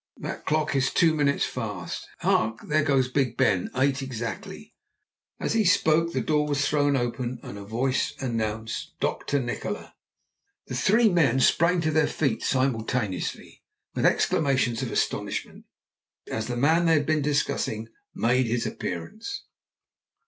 "That clock is two minutes fast. Hark, there goes Big Ben! Eight exactly." As he spoke the door was thrown open and a voice announced "Dr. Nikola." The three men sprang to their feet simultaneously, with exclamations of astonishment, as the man they had been discussing made his appearance.